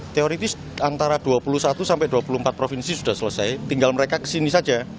teoritis antara dua puluh satu sampai dua puluh empat provinsi sudah selesai tinggal mereka kesini saja